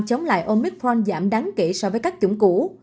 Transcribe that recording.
chống lại omicron giảm đáng kể so với các chủng cũ